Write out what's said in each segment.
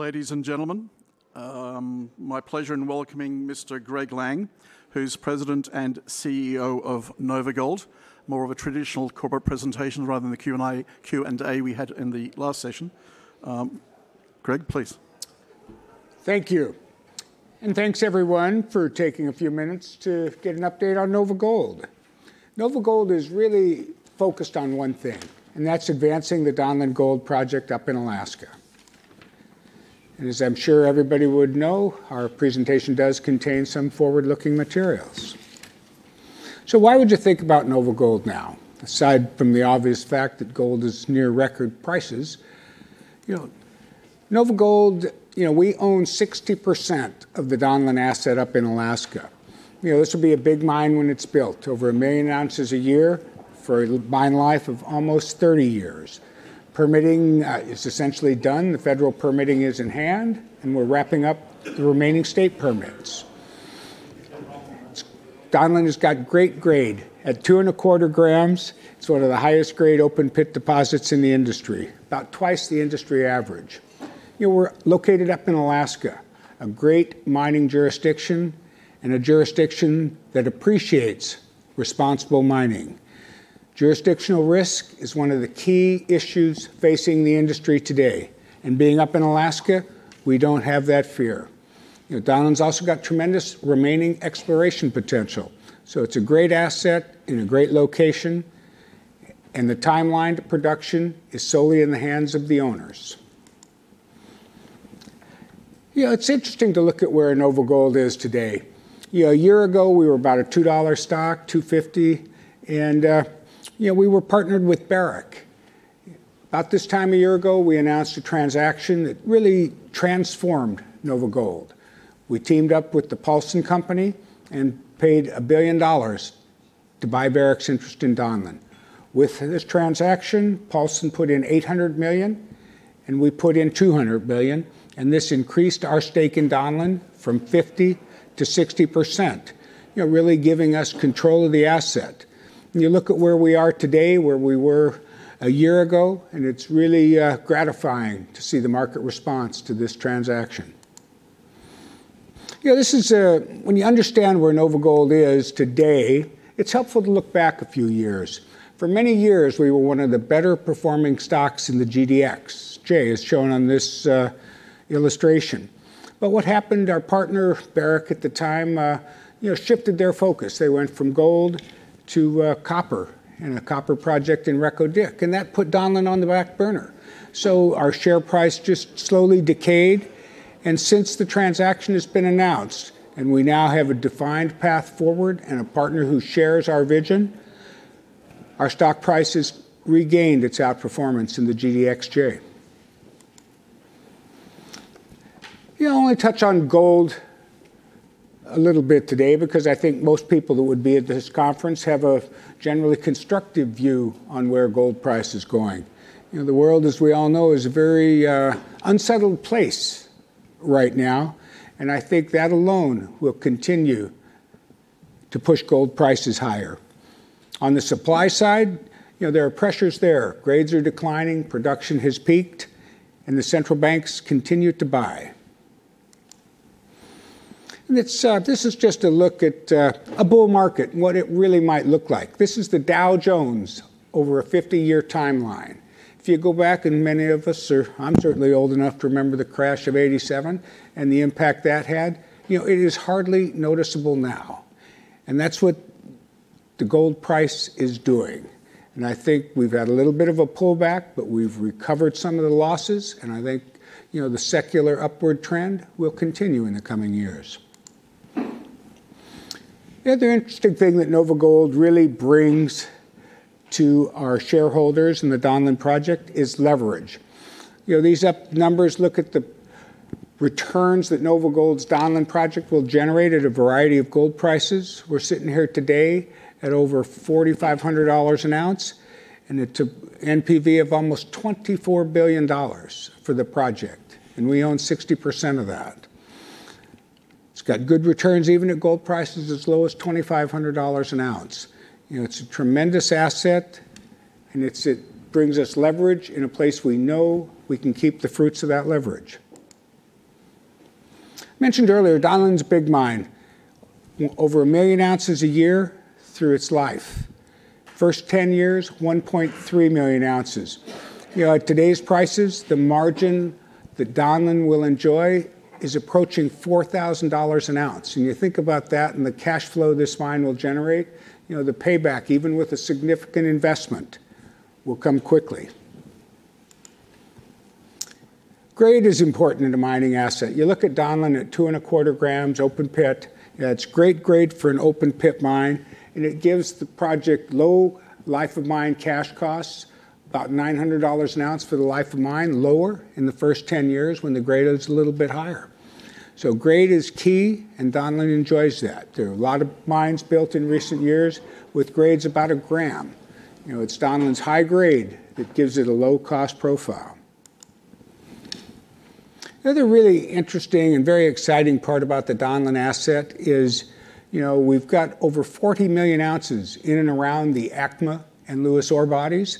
Ladies and gentlemen, my pleasure in welcoming Mr. Greg Lang, who's President and CEO of NovaGold. More of a traditional corporate presentation rather than the Q&A we had in the last session. Greg, please. Thank you. And thanks everyone for taking a few minutes to get an update on NovaGold. NovaGold is really focused on one thing, and that's advancing the Donlin Gold project up in Alaska. And as I'm sure everybody would know, our presentation does contain some forward-looking materials. So why would you think about NovaGold now, aside from the obvious fact that gold is near record prices? NovaGold, we own 60% of the Donlin asset up in Alaska. This will be a big mine when it's built, over a million ounces a year for a mine life of almost 30 years. Permitting is essentially done. The federal permitting is in hand, and we're wrapping up the remaining state permits. Donlin has got great grade at 2.25 g, sort of the highest grade open pit deposits in the industry. About 2x the industry average. We're located up in Alaska, a great mining jurisdiction, and a jurisdiction that appreciates responsible mining. Jurisdictional risk is one of the key issues facing the industry today, and being up in Alaska, we don't have that fear. Donlin's also got tremendous remaining exploration potential. It's a great asset in a great location, and the timeline to production is solely in the hands of the owners. It's interesting to look at where NovaGold is today. A year ago, we were about a $2 stock, $2.50, and we were partnered with Barrick. About this time a year ago, we announced a transaction that really transformed NovaGold. We teamed up with the Paulson Company and paid $1 billion to buy Barrick's interest in Donlin. With this transaction, Paulson put in $800 million, and we put in $200 million, and this increased our stake in Donlin from 50%-60%, really giving us control of the asset. When you look at where we are today, where we were a year ago, and it's really gratifying to see the market response to this transaction. When you understand where NovaGold is today, it's helpful to look back a few years. For many years, we were one of the better-performing stocks in the GDXJ, as shown on this illustration. What happened? Our partner, Barrick at the time, shifted their focus. They went from gold to copper in a copper project in Reko Diq, and that put Donlin on the back burner. Our share price just slowly decayed. Since the transaction has been announced and we now have a defined path forward and a partner who shares our vision, our stock price has regained its outperformance in the GDXJ. I'll only touch on gold a little bit today because I think most people who would be at this conference have a generally constructive view on where gold price is going. The world, as we all know, is a very unsettled place right now, and I think that alone will continue to push gold prices higher. On the supply side, there are pressures there. Grades are declining, production has peaked, and the central banks continue to buy. This is just a look at a bull market and what it really might look like. This is the Dow Jones over a 50-year timeline. If you go back, and many of us are. I'm certainly old enough to remember the crash of 1987 and the impact that had. It is hardly noticeable now, and that's what the gold price is doing. I think we've had a little bit of a pullback, but we've recovered some of the losses, and I think the secular upward trend will continue in the coming years. The other interesting thing that NovaGold really brings to our shareholders in the Donlin project is leverage. These numbers look at the returns that NovaGold's Donlin project will generate at a variety of gold prices. We're sitting here today at over $4,500 an ounce, and it's an NPV of almost $24 billion for the project. We own 60% of that. It's got good returns, even at gold prices as low as $2,500 an ounce. It's a tremendous asset, and it brings us leverage in a place we know we can keep the fruits of that leverage. I mentioned earlier, Donlin's a big mine. Over a million ounces a year through its life. First 10 years, 1.3 million ounces. At today's prices, the margin that Donlin will enjoy is approaching $4,000 an ounce. You think about that and the cash flow this mine will generate, the payback, even with a significant investment, will come quickly. Grade is important in a mining asset. You look at Donlin at 2.25 g open-pit. It's great grade for an open-pit mine, and it gives the project low life-of-mine cash costs, about $900 an ounce for the life of mine, lower in the first 10 years when the grade is a little bit higher. Grade is key, and Donlin enjoys that. There are a lot of mines built in recent years with grades about 1 g. It's Donlin Gold's high grade that gives it a low-cost profile. The other really interesting and very exciting part about the Donlin asset is we've got over 40 million ounces in and around the ACMA and Lewis ore bodies.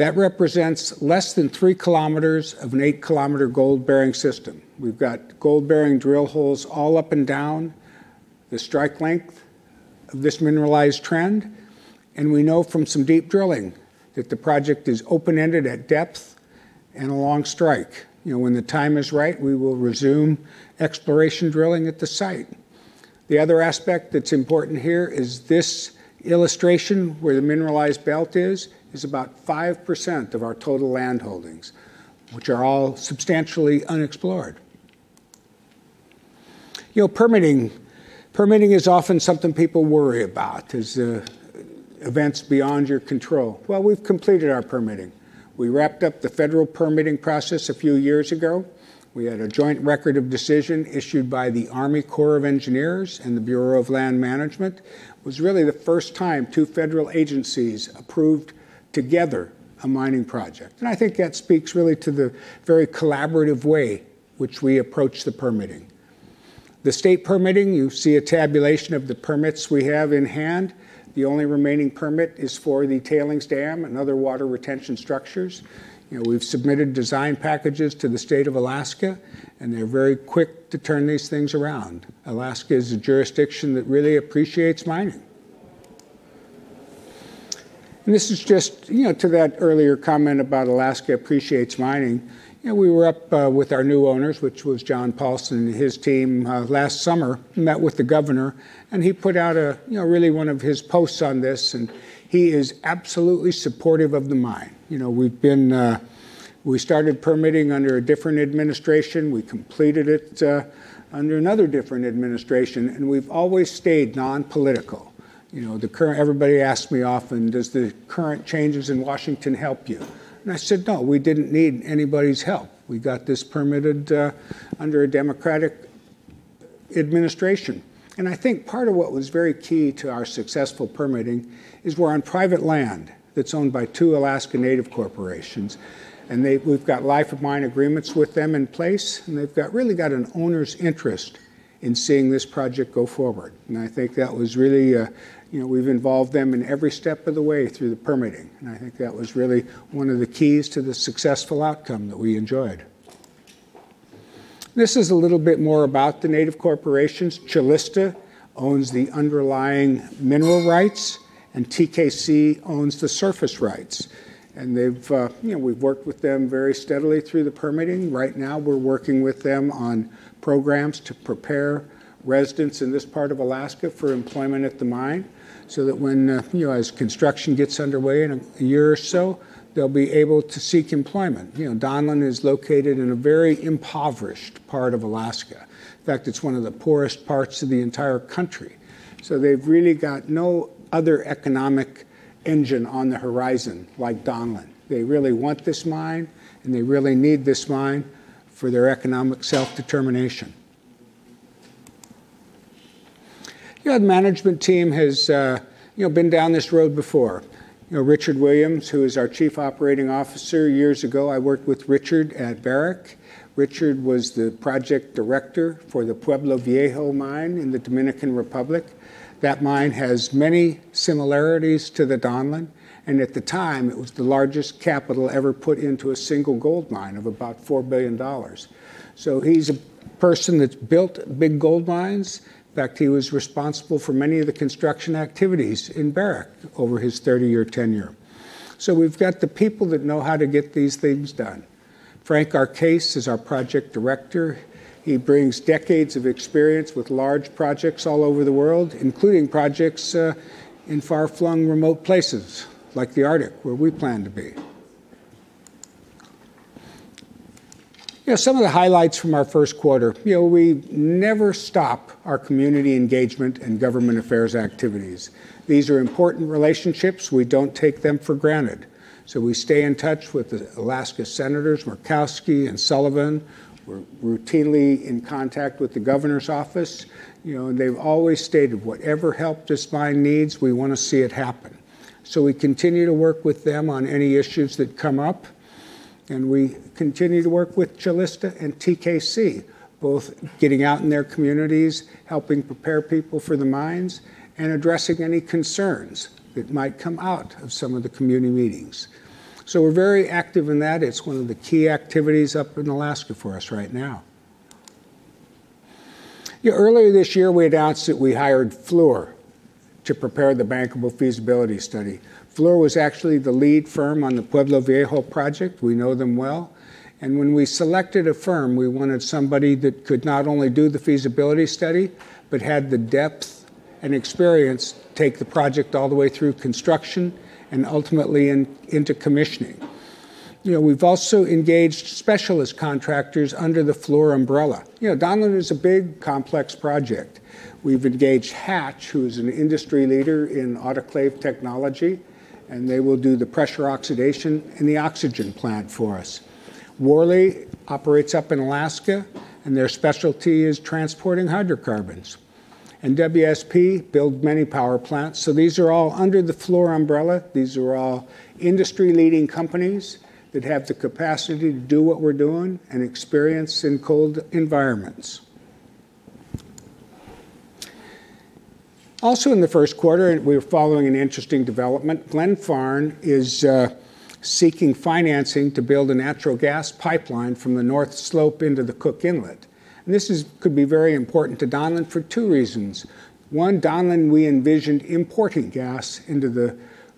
That represents less than 3 km of an 8 km gold-bearing system. We've got gold-bearing drill holes all up and down the strike length of this mineralized trend, and we know from some deep drilling that the project is open-ended at depth and along strike. When the time is right, we will resume exploration drilling at the site. The other aspect that's important here is this illustration, where the mineralized belt is. It's about 5% of our total land holdings, which are all substantially unexplored. Permitting is often something people worry about as events beyond your control. Well, we've completed our permitting. We wrapped up the federal permitting process a few years ago. We had a joint Record of Decision issued by the Army Corps of Engineers and the Bureau of Land Management. It was really the first time two federal agencies approved together a mining project. I think that speaks really to the very collaborative way which we approach the permitting. The state permitting, you see a tabulation of the permits we have in hand. The only remaining permit is for the tailings dam and other water retention structures. We've submitted design packages to the state of Alaska, and they're very quick to turn these things around. Alaska is a jurisdiction that really appreciates mining. This is just to that earlier comment about Alaska appreciates mining. We were up with our new owners, which was John Paulson and his team last summer, met with the Governor, and he put out really one of his posts on this, and he is absolutely supportive of the mine. We started permitting under a different administration. We completed it under another different administration, and we've always stayed non-political. Everybody asks me often, "Does the current changes in Washington help you?" I said, "No. We didn't need anybody's help. We got this permitted under a Democratic administration." I think part of what was very key to our successful permitting is we're on private land that's owned by two Alaska Native Corporations, and we've got life of mine agreements with them in place, and they've really got an owner's interest in seeing this project go forward. We've involved them in every step of the way through the permitting, and I think that was really one of the keys to the successful outcome that we enjoyed. This is a little bit more about the Native Corporations. Calista owns the underlying mineral rights, and TKC owns the surface rights. We've worked with them very steadily through the permitting. Right now, we're working with them on programs to prepare residents in this part of Alaska for employment at the mine so that as construction gets underway in a year or so, they'll be able to seek employment. Donlin is located in a very impoverished part of Alaska. In fact, it's one of the poorest parts of the entire country. They've really got no other economic engine on the horizon like Donlin. They really want this mine, and they really need this mine for their economic self-determination. The management team has been down this road before. Richard Williams, who is our Chief Operating Officer, years ago, I worked with Richard at Barrick. Richard was the Project Director for the Pueblo Viejo mine in the Dominican Republic. That mine has many similarities to the Donlin, and at the time it was the largest capital ever put into a single gold mine of about $4 billion. He's a person that's built big gold mines. In fact, he was responsible for many of the construction activities in Barrick over his 30-year tenure. We've got the people that know how to get these things done. Frank Arcese is our Project Director. He brings decades of experience with large projects all over the world, including projects in far-flung remote places like the Arctic, where we plan to be. Some of the highlights from our first quarter. We never stop our community engagement and government affairs activities. These are important relationships. We don't take them for granted. We stay in touch with the Alaska Senators, Murkowski and Sullivan. We're routinely in contact with the Governor's Office. They've always stated, "Whatever help this mine needs, we want to see it happen." We continue to work with them on any issues that come up, and we continue to work with Calista and TKC, both getting out in their communities, helping prepare people for the mines, and addressing any concerns that might come out of some of the community meetings. We're very active in that. It's one of the key activities up in Alaska for us right now. Earlier this year, we announced that we hired Fluor to prepare the bankable feasibility study. Fluor was actually the lead firm on the Pueblo Viejo project. We know them well. When we selected a firm, we wanted somebody that could not only do the feasibility study, but had the depth and experience to take the project all the way through construction and ultimately into commissioning. We've also engaged specialist contractors under the Fluor umbrella. Donlin is a big, complex project. We've engaged Hatch, who's an industry leader in autoclave technology, and they will do the pressure oxidation and the oxygen plant for us. Worley operates up in Alaska, and their specialty is transporting hydrocarbons. WSP build many power plants. These are all under the Fluor umbrella. These are all industry-leading companies that have the capacity to do what we're doing and experience in cold environments. Also in the first quarter, we were following an interesting development. Glenfarne is seeking financing to build a natural gas pipeline from the North Slope into the Cook Inlet. This could be very important to Donlin for two reasons. One, Donlin, we envisioned importing gas into the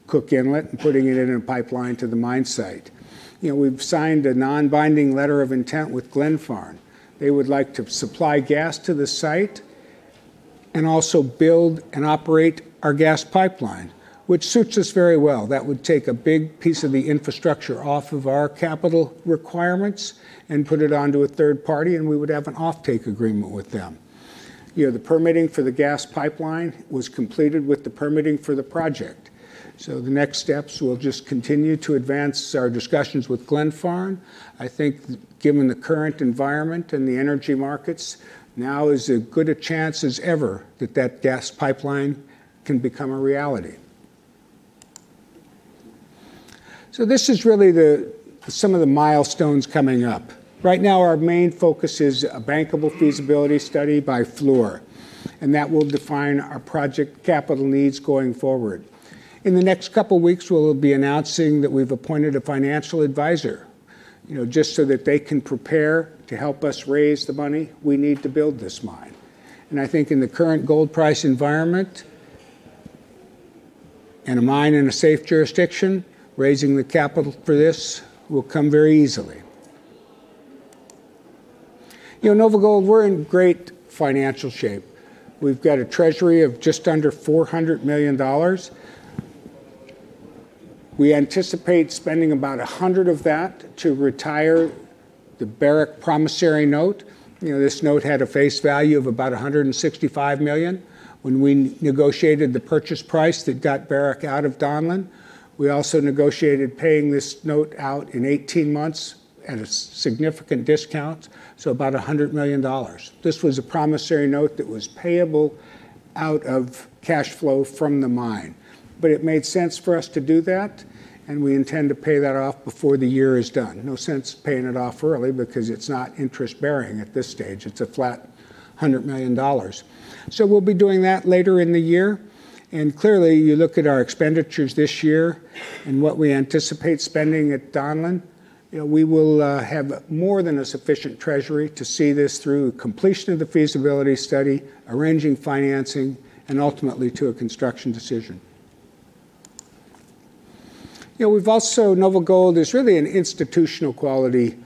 Cook Inlet and putting it in a pipeline to the mine site. We've signed a non-binding letter of intent with Glenfarne. They would like to supply gas to the site and also build and operate our gas pipeline, which suits us very well. That would take a big piece of the infrastructure off of our capital requirements and put it onto a third party, and we would have an offtake agreement with them. The permitting for the gas pipeline was completed with the permitting for the project. The next steps, we'll just continue to advance our discussions with Glenfarne. I think given the current environment and the energy markets, now is as good a chance as ever that gas pipeline can become a reality. This is really some of the milestones coming up. Right now, our main focus is a bankable feasibility study by Fluor, and that will define our project capital needs going forward. In the next couple of weeks, we'll be announcing that we've appointed a financial advisor, just so that they can prepare to help us raise the money we need to build this mine. I think in the current gold price environment, and a mine in a safe jurisdiction, raising the capital for this will come very easily. NovaGold, we're in great financial shape. We've got a treasury of just under $400 million. We anticipate spending about $100 million of that to retire the Barrick promissory note. This note had a face value of about $165 million when we negotiated the purchase price that got Barrick out of Donlin. We also negotiated paying this note out in 18 months at a significant discount, so about $100 million. This was a promissory note that was payable out of cash flow from the mine. It made sense for us to do that, and we intend to pay that off before the year is done. No sense paying it off early because it's not interest-bearing at this stage. It's a flat $100 million. We'll be doing that later in the year. Clearly, you look at our expenditures this year and what we anticipate spending at Donlin, we will have more than a sufficient treasury to see this through completion of the feasibility study, arranging financing, and ultimately to a construction decision. NovaGold is really an institutional-quality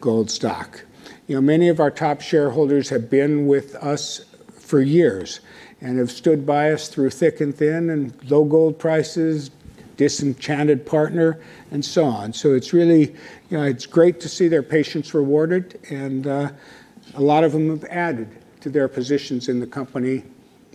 gold stock. Many of our top shareholders have been with us for years and have stood by us through thick and thin and low gold prices, disenchanted partner, and so on. It's really great to see their patience rewarded, and a lot of them have added to their positions in the company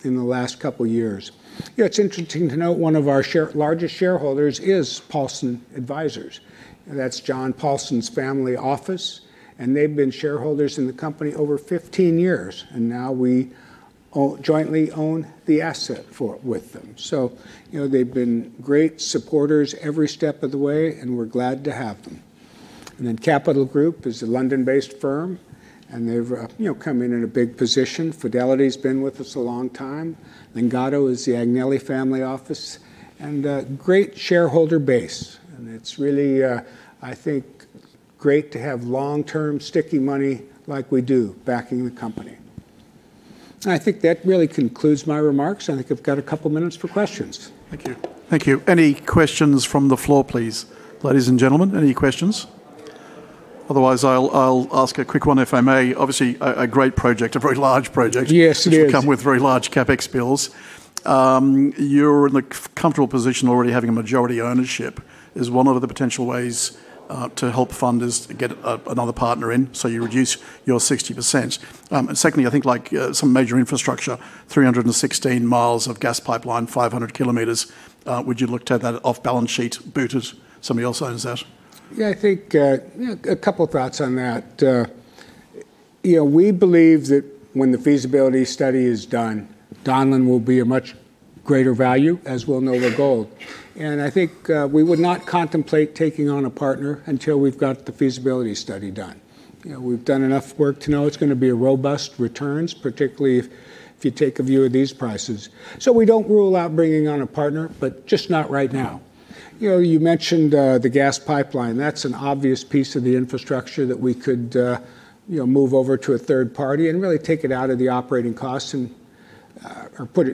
in the last couple of years. It's interesting to note one of our largest shareholders is Paulson Advisers, and that's John Paulson's family office, and they've been shareholders in the company over 15 years. Now we jointly own the asset with them. They've been great supporters every step of the way, and we're glad to have them. Capital Group is a London-based firm, and they've come in in a big position. Fidelity's been with us a long time. Lingotto is the Agnelli family office, and a great shareholder base. It's really, I think, great to have long-term sticky money like we do backing the company. I think that really concludes my remarks. I think I've got a couple of minutes for questions. Thank you. Thank you. Any questions from the floor, please? Ladies and gentlemen, any questions? Otherwise, I'll ask a quick one if I may. Obviously, a great project, a very large project. Yes, yes. Which will come with very large CapEx bills. You're in a comfortable position already having a majority ownership. Is one of the potential ways to help funders get another partner in, so you reduce your 60%? Secondly, I think like some major infrastructure, 316 mi of gas pipeline, 500 km, would you look to that off-balance-sheet, BOOT it, somebody else owns that? Yeah, I think a couple of thoughts on that. We believe that when the feasibility study is done, Donlin will be a much greater value, as will NovaGold. I think we would not contemplate taking on a partner until we've got the feasibility study done. We've done enough work to know it's going to be a robust returns, particularly if you take a view of these prices. We don't rule out bringing on a partner, but just not right now. You mentioned the gas pipeline. That's an obvious piece of the infrastructure that we could move over to a third party and really take it out of the capital cost and put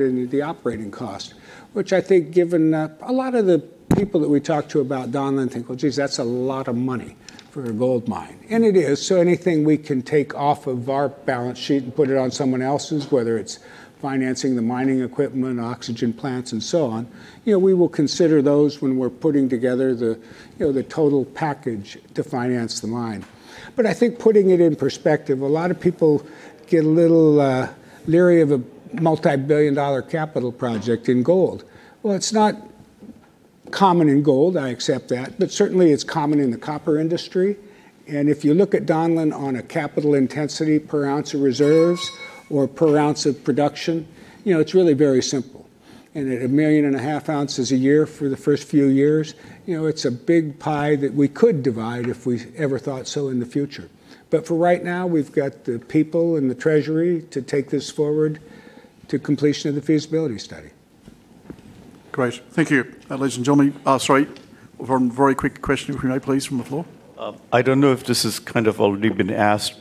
it into the operating cost, which I think given a lot of the people that we talk to about Donlin think, well, geez, that's a lot of money for a gold mine. It is. Anything we can take off of our balance sheet and put it on someone else's, whether it's financing the mining equipment, oxygen plants, and so on, we will consider those when we're putting together the total package to finance the mine. I think putting it in perspective, a lot of people get a little leery of a multi-billion-dollar capital project in gold. Well, it's not common in gold, I accept that, but certainly, it's common in the copper industry. If you look at Donlin on a capital intensity per ounce of reserves or per ounce of production, it's really very simple. At 1.5 million ounces a year for the first few years, it's a big pie that we could divide if we ever thought so in the future. For right now, we've got the people and the treasury to take this forward to completion of the feasibility study. Great. Thank you. Ladies and gentlemen, sorry. A very quick question if we may please, from the floor. I don't know if this has kind of already been asked,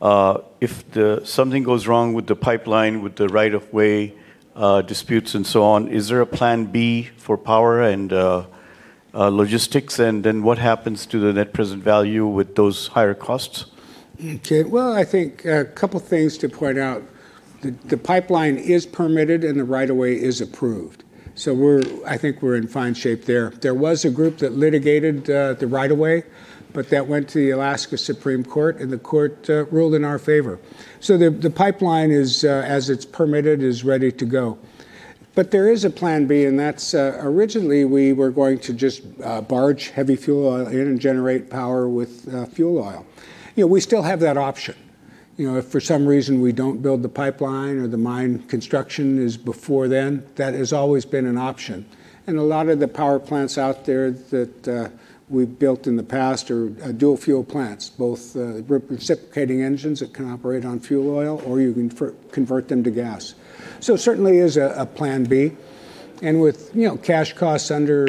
but if something goes wrong with the pipeline, with the right-of-way disputes and so on, is there a Plan B for power and logistics? What happens to the net present value with those higher costs? Okay. Well, I think a couple of things to point out. The pipeline is permitted, and the right of way is approved. I think we're in fine shape there. There was a group that litigated the right of way, but that went to the Alaska Supreme Court, and the court ruled in our favor. The pipeline, as it's permitted, is ready to go. There is a Plan B, and that's originally we were going to just barge heavy fuel oil in and generate power with fuel oil. We still have that option. If for some reason we don't build the pipeline or the mine construction is before then, that has always been an option. A lot of the power plants out there that we've built in the past are dual-fuel plants, both reciprocating engines that can operate on fuel oil, or you can convert them to gas. It certainly is a Plan B. With cash costs under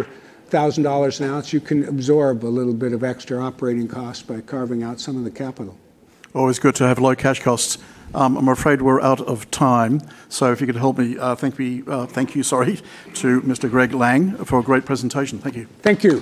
$1,000 an ounce, you can absorb a little bit of extra operating cost by carving out some of the capital. Always good to have low cash costs. I'm afraid we're out of time. If you could help me thank you to Mr. Greg Lang for a great presentation. Thank you. Thank you.